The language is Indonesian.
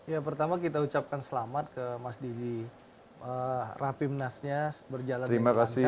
ya pertama kita ucapkan selamat ke mas didi rapimnasnya berjalan dengan lancar